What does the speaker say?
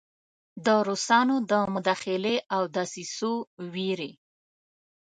د روسانو د مداخلې او دسیسو ویرې.